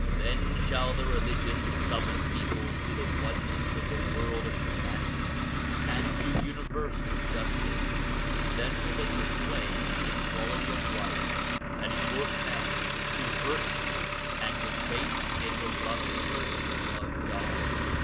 Then shall the religions summon people to the oneness of the world of humanity and to universal justice ; then will they proclaim equality of rights and exhort men to virtue and to faith in the loving mercy of God.